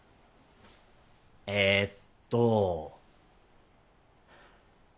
えっと。